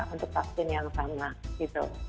untuk vaksin yang sama gitu